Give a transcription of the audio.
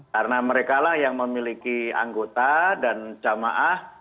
karena mereka yang memiliki anggota dan jamaah